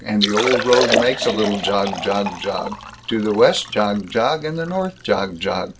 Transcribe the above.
And the old road makes a little jog, jog, jog, To the west, jog, jog; and the north, jog, jog.